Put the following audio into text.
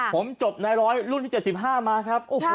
ผมจบในร้อยรุ่นที่๗๕มาครับ